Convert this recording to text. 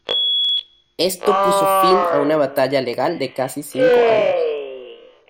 Esto puso fin a una batalla legal de casi cinco años.